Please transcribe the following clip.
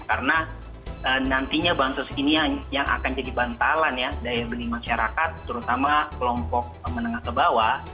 karena nantinya bansos ini yang akan jadi bantalan ya daya beli masyarakat terutama kelompok menengah kebawah